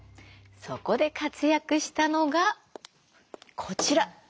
そこで活躍したのがこちら。